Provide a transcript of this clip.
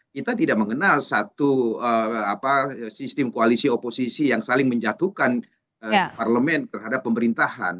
kita tidak mengenal satu sistem koalisi oposisi yang saling menjatuhkan parlemen terhadap pemerintahan